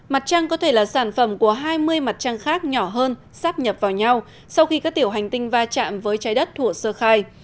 mặt trăng có thể là sản phẩm của hai mươi mặt trăng khác nhỏ hơn sắp nhập vào nhau sau khi các tiểu hành tinh va chạm với trái đất thủa sơ khai